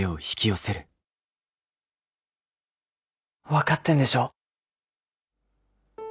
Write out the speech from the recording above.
分かってんでしょ。